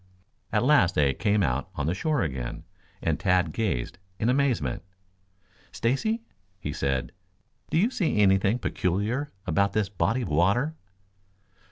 At last they came out on the shore again, and Tad gazed in amazement. "Stacy," he said, "do you see anything peculiar about this body of water?"